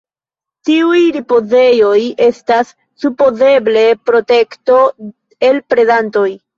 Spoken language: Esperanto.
Tiuj ripozejoj estas supozeble protekto el predantoj.